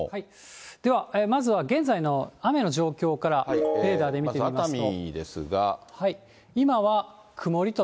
ではまずは現在の雨の状況から、レーダーで見てみますと。